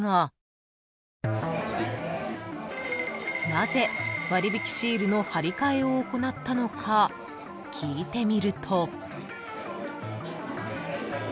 ［なぜ割引シールの貼り替えを行ったのか聞いてみると］